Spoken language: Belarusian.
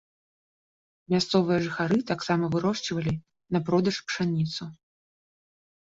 Мясцовыя жыхары таксама вырошчвалі на продаж пшаніцу.